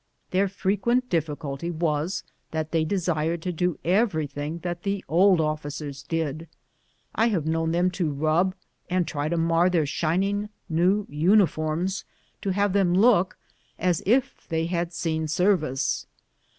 Their fre quent difficulty w\as that they desired to do everything that the old officers did. I have known them rub and try to mar their shining new uniforms to have them look as if they had seen service.